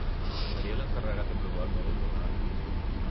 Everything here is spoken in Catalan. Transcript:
Seria l'encarregat de provar el mòdul lunar.